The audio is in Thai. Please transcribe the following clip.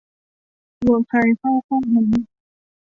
วัวใครเข้าคอกนั้น